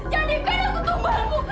jadikan aku tumbangmu